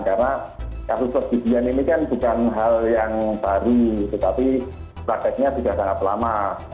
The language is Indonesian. karena kasus perjudian ini kan bukan hal yang baru tetapi prakteknya tidak sangat lama